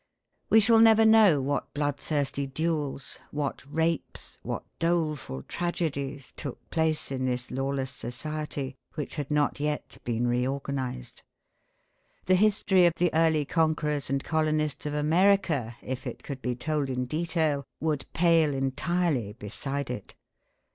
We shall never know what bloodthirsty duels, what rapes, what doleful tragedies, took place in this lawless society, which had not yet been reorganised. The history of the early conquerors and colonists of America, if it could be told in detail, would pale entirely beside it.